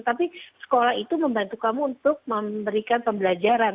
tapi sekolah itu membantu kamu untuk memberikan pembelajaran